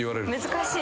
難しい。